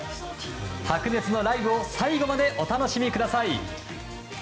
白熱のライブを最後までお楽しみください。